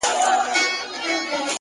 • سوځول مي خلوتونه هغه نه یم ,